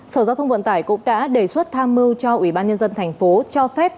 sở giao thông vận tải cũng đã đề xuất tham mưu cho ủy ban nhân dân thành phố cho phép